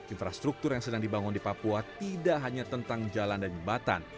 infrastruktur yang sedang dibangun di papua tidak hanya tentang jalan dan jembatan